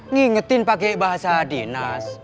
ngingetin pake bahasa dinam